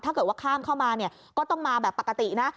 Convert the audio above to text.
ถ้าเกิดว่าข้ามเข้ามาเนี่ยก็ต้องมาแบบปกตินะ